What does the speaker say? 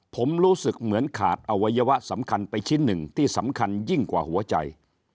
ผมรู้สึกเหมือนขาดอวัยวะสำคัญไปชิ้นหนึ่งที่สำคัญยิ่งกว่าหัวใจ